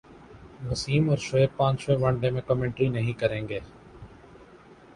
وسیم اور شعیب پانچویں one day میں کمنٹری نہیں کریں گے